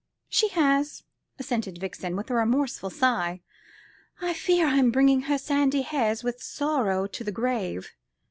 "She has," assented Vixen, with a remorseful sigh; "I fear I'm bringing her sandy hairs with sorrow to the grave.